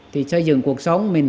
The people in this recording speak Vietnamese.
thì xây dựng cuộc sống mình